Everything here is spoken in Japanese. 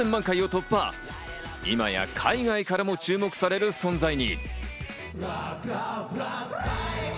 今や海外からも注目される存在に。